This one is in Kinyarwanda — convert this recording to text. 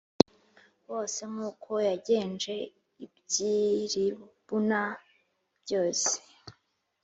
bose nk uko yagenje iby i Libuna byose